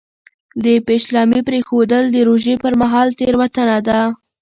د پېشلمي پرېښودل د روژې پر مهال تېروتنه ده.